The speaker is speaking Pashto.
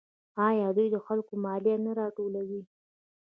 آیا دوی له خلکو مالیه نه راټولوي؟